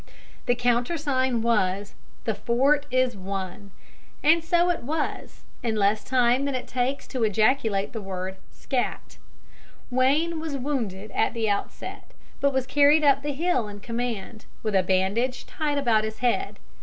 The countersign was, "The fort is won," and so it was, in less time than it takes to ejaculate the word "scat!" Wayne was wounded at the outset, but was carried up the hill in command, with a bandage tied about his head.